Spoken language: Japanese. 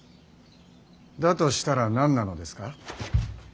だとしたら何なのですか。